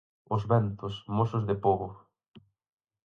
Os ventos, mozos de pobo.